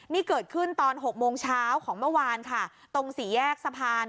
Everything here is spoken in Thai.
นี่เกิดขึ้นตอน๖โมงเช้าของเมื่อวานค่ะตรงสี่แยกสะพาน